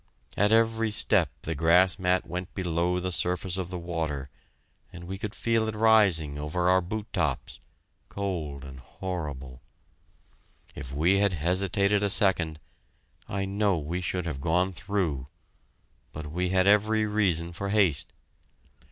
At every step the grass mat went below the surface of the water, and we could feel it rising over our boot tops cold and horrible. If we had hesitated a second, I know we should have gone through; but we had every reason for haste.